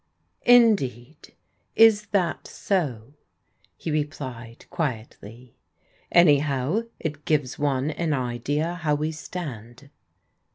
'* "Indeed, is that so?'* he replied quietly. "Anyhow, it gives one an idea how we stand."